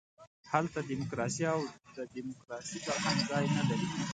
هلته ډیموکراسي او د ډیموکراسۍ فرهنګ ځای نه لري.